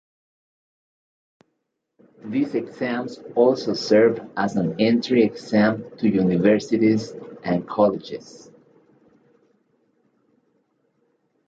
These exams also serve as an entry exam to universities and colleges.